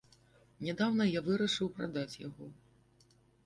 Нядаўна я вырашыў прадаць яго.